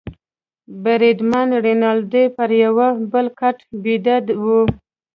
بریدمن رینالډي پر یوه بل کټ بیده وو.